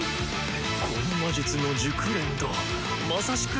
この魔術の熟練度まさしく匠の技！